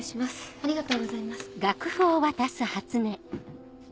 ありがとうございます。